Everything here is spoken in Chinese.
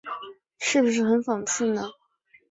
是不是很讽刺呢？